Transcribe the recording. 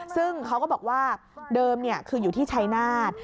ซึ่งเขาก็บอกว่าเดิมคืออยู่ที่ชายนาฏ